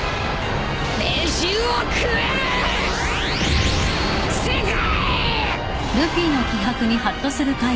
飯を食える世界！！